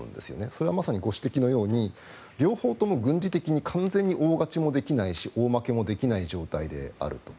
それは、まさにご指摘のように両方とも軍事的に完全に大勝ちもできないし大負けもできない状態であると。